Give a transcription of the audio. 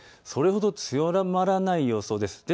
それほど強まらない予想です。